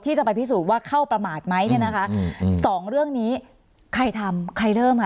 ที่จะไปพิสูจน์ว่าเข้าประมาทไหมเนี่ยนะคะสองเรื่องนี้ใครทำใครเริ่มค่ะ